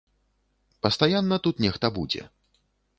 Пастаянна тут нехта будзе.